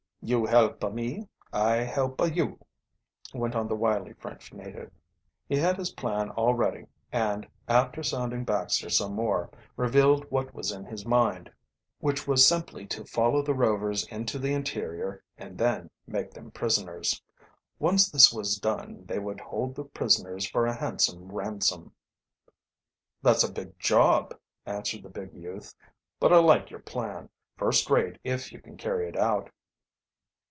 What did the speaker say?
"You helpa me, I helpa you," went on the wily French native. He had his plan all ready, and, after sounding Baxter some more, revealed what was in his mind, which was simply to follow the Rovers into the interior and then make them prisoners. Once this was done, they would hold the prisoners for a handsome ransom. "That's a big job," answered the big youth. "But I like your plan, first rate if you can carry it out."